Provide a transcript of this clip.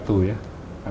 dari yatim pihatu ya